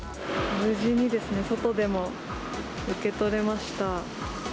無事に外でも受け取れました。